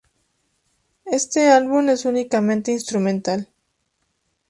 Éste álbum es únicamente instrumental.